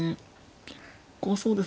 結構そうですね。